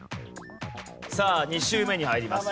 さあ２周目に入ります。